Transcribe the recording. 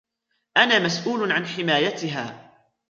أنا مسؤول عن حمايتها.